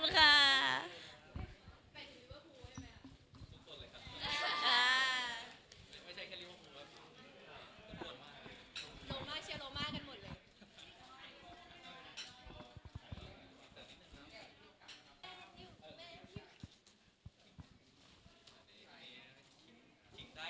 ขอบคุณค่ะ